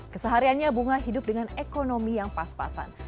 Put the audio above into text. kesehariannya bunga hidup dengan ekonomi yang pas pasan